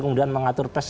kemudian mengatur pes